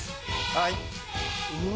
はい。